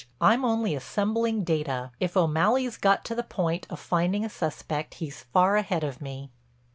I'm only assembling data. If O'Malley's got to the point of finding a suspect he's far ahead of me."